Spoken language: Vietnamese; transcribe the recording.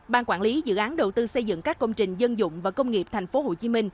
ban quản lý dự án đầu tư xây dựng các công trình dân dụng và công nghiệp tp hcm